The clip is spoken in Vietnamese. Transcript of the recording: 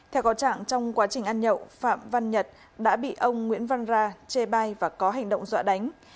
theo có trạng trong quá trình ăn nhậu phạm văn nhật đã bị ông nguyễn văn ra chê bai và có hành động dọa đánh